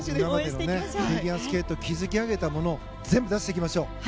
フィギュアスケート今まで築き上げたもの全部出していきましょう。